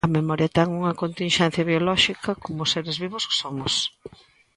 A memoria ten unha continxencia biolóxica como seres vivos que somos.